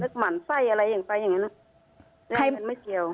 นึกหมั่นไส้อะไรอย่างไปอย่างเงี้ยน่ะเรื่องมันไม่เกี่ยว